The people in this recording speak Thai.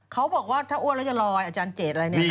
เขาบอกว่าถ้าอ้วนแล้วจะลอยอาจารย์เจดอะไรเนี่ย